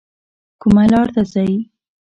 کومه لار ته ځئ؟